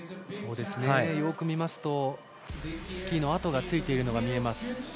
よく見ますとスキーの跡がついているのが見えます。